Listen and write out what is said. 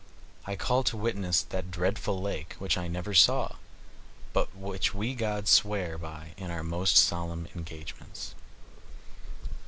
I call to witness that dreadful lake, which I never saw, but which we gods swear by in our most solemn engagements."